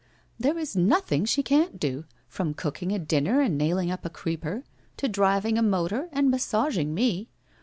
'There is nothing she can't do, from cooking a dinner and nailing up a creeper, to driving a motor and massaging me.